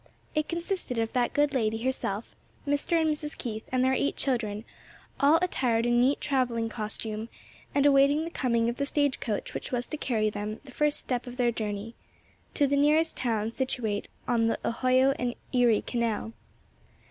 It consisted of that good lady herself Mr. and Mrs. Keith and their eight children, all attired in neat traveling costume, and awaiting the coming of the stage coach which was to carry them the first step of their journey to the nearest town situate on the Ohio and Erie Canal.